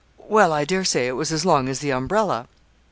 Well, I dare say it was as long as the umbrella.'